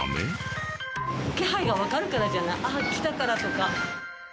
気配がわかるからじゃない？ああ来たからとか。